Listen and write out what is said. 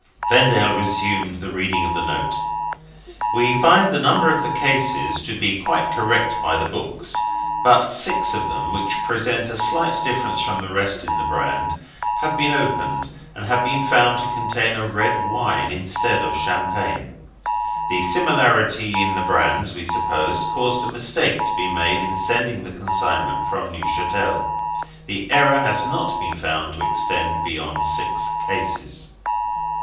Vendale resumed the reading of the note: "We find the number of the cases to be quite correct by the books. But six of them, which present a slight difference from the rest in the brand, have been opened, and have been found to contain a red wine instead of champagne. The similarity in the brands, we suppose, caused a mistake to be made in sending the consignment from Neuchatel. The error has not been found to extend beyond six cases."